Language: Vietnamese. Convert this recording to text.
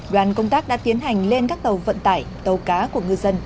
đoàn công tác đã tiến hành lên các tàu vận tải tàu cá của ngư dân